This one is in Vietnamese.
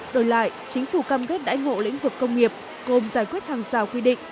đổi lại chính phủ cam kết đã ngộ lĩnh vực công nghiệp gồm giải quyết hàng xào quy định